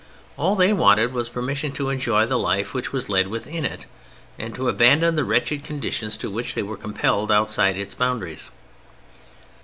All they wanted was permission to enjoy the life which was led within it, and to abandon the wretched conditions to which they were compelled outside its boundaries.